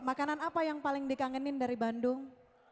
makanan apa yang paling dikangenin dari bandung